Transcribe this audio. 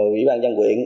ủy ban dân quyện